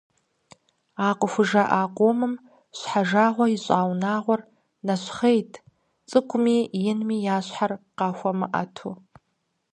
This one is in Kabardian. А къыхужаӀэ къомым щхьэжагъуэ ищӀа унагъуэр нэщхъейт, цӀыкӀуми инми я щхьэр къахуэмыӀэту.